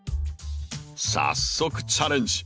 早速チャレンジ！